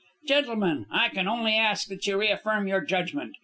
Gentlemen, I can only ask that you reaffirm your judgment.